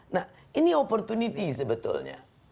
nah ini opportunity sebetulnya